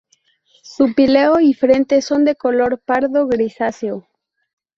Su píleo y frente son de color pardo grisáceo.